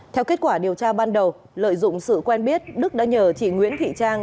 theo kết quả điều tra ban đầu lợi dụng sự quen biết đức đã nhờ chị nguyễn thị trang